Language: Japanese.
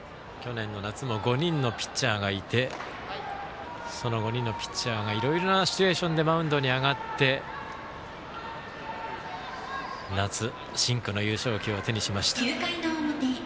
去年の夏も５人のピッチャーがいてその５人のピッチャーがいろいろなシチュエーションでマウンドに上がって夏、深紅の優勝旗を手にしました。